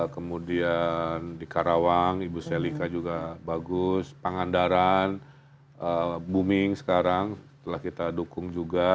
kemudian di karawang ibu selika juga bagus pangandaran booming sekarang telah kita dukung juga